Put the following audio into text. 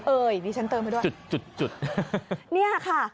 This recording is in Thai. ดิฉันเติมไปด้วยจุดจุดจุดเนี่ยค่ะ